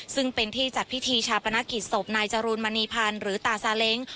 ซึ่งเป็นที่จัดพิธีชาปนกิจศพนายจรูนมณีพันธ์หรือตาซาเล้ง